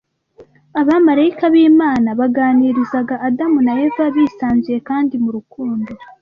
Abamarayika b’Imana baganirizaga Adamu na Eva bisanzuye kandi mu rukundo.